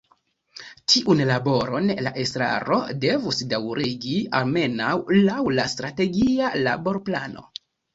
Tiun laboron la estraro devus daŭrigi, almenaŭ laŭ la Strategia Laborplano.